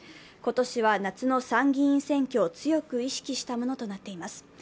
今年は夏の参議院選挙を強く意識したものとなっています。